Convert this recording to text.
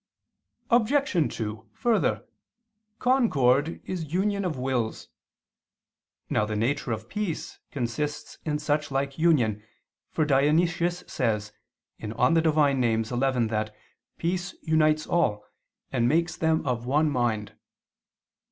Obj. 2: Further, concord is union of wills. Now the nature of peace consists in such like union, for Dionysius says (Div. Nom. xi) that peace unites all, and makes them of one mind.